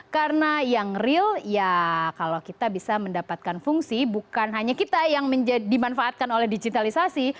karena yang real ya kalau kita bisa mendapatkan fungsi bukan hanya kita yang dimanfaatkan oleh digitalisasi